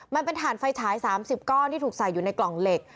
มันเป็นถ่านไฟฉาย๓๐ก้อนที่ถูกใส่อยู่ในกล่องเหล็ก